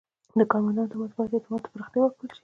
د کارمندانو ترمنځ باید اعتماد ته پراختیا ورکړل شي.